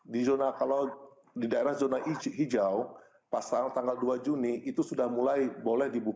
di zona kalau di daerah zona hijau pas tanggal dua juni itu sudah mulai boleh dibuka